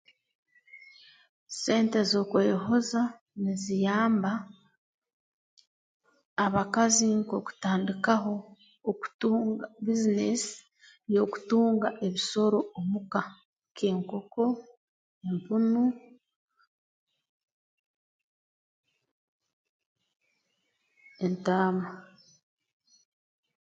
Sente z'okweyohoza niziyamba abakazi nk'okutandikaho okutunga bbiizinesi y'okutunga ebisoro omu ka nk'enkoko empunu entaama